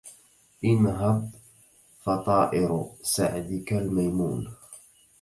انهض فطائر سعدك الميمون